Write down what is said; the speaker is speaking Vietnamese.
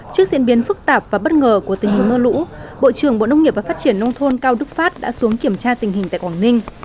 trước diễn biến phức tạp và bất ngờ của tình hình mưa lũ bộ trưởng bộ nông nghiệp và phát triển nông thôn cao đức pháp đã xuống kiểm tra tình hình tại quảng ninh